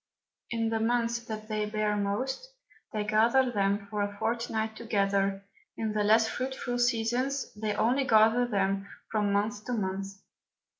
In the Months that they bear most, they gather them for a Fortnight together; in the less fruitful Seasons, they only gather them from Month to Month.